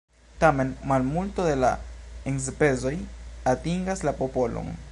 Tamen malmulto de la enspezoj atingas la popolon.